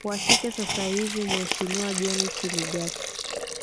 washike sasa hivi muhesimiwa john chiligati